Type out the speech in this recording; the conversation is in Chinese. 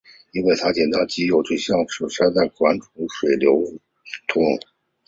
因为紧张的肌肉就像淤塞的水管阻碍水的流通。